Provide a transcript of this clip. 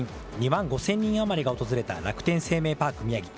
２万５０００人余りが訪れた楽天生命パーク宮城。